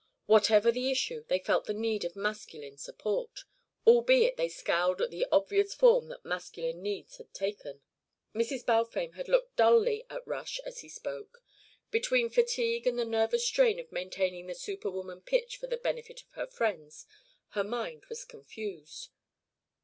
Whatever the issue, they felt the need of masculine support, albeit they scowled at the obvious form that masculine needs had taken. Mrs. Balfame had looked dully at Rush as he spoke. Between fatigue and the nervous strain of maintaining the superwoman pitch for the benefit of her friends, her mind was confused.